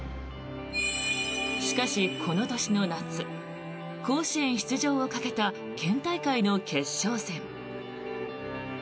しかし、この年の夏甲子園出場をかけた県大会の決勝戦。